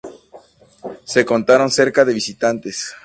Se contaron cerca de visitantes.